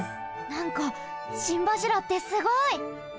なんか心柱ってすごい！